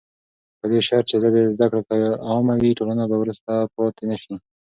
په دې شرط چې زده کړه عامه وي، ټولنه به وروسته پاتې نه شي.